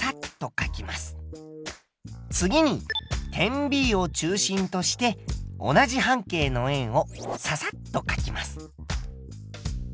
次に点Ｂを中心として同じ半径の円をササッとかきます。